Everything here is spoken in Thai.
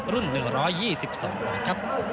รุ่น๑๒๒ครับ